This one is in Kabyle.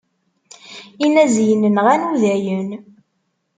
Inaziyen nɣan udayen.